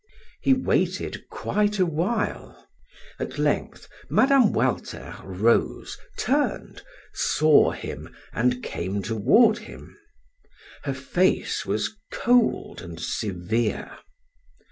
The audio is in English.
He waited quite awhile. At length Mme. Walter rose, turned, saw him and came toward him. Her face was cold and severe.